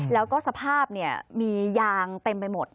แล้วก็สภาพมียางเต็มไปหมด